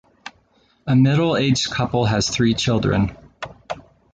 A middle-aged couple has three children.